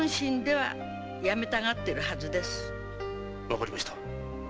分かりました。